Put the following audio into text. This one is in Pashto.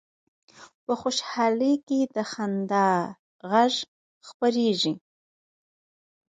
په خوشحالۍ کې د خندا غږ خپرېږي